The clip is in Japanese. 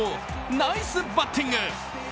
ナイスバッティング！